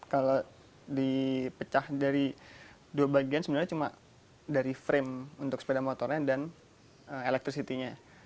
kalau dipecah dari dua bagian sebenarnya cuma dari frame untuk sepeda motornya dan electricity nya